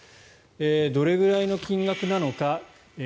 どれぐらいの金額なのか。